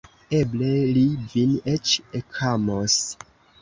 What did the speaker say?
Eble, li vin eĉ ekamos.